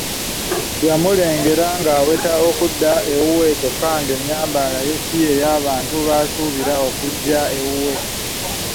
Yamulengera nga aweta okudda ewuwe kyokka ng'ennyambala ye si ye y'abantu basuubira okujja ewuwe.